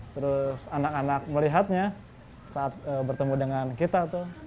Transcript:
terus anak anak melihatnya saat bertemu dengan kita tuh